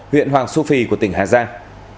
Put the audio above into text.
huyện hoàng su phi của tỉnh hà giang